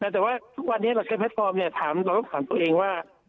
แต่ว่าทุกวันนี้เราใช้แพลตฟอร์มเราต้องถามตัวเองว่า